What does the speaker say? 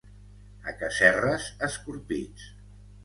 A Casserres, escorpits.